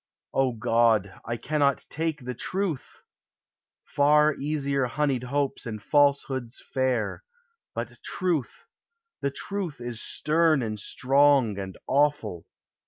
O God, I cannot take the Truth! Far easier honeyed hopes and falsehoods fair, But Truth, the Truth is stern and strong and awful.